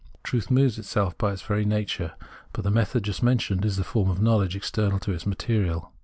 Truth moves itself by its very nature ; but the method just mentioned is a form of Imowledge external to its material.